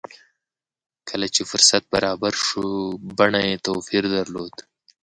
کله چې فرصت برابر شو بڼه يې توپير درلود.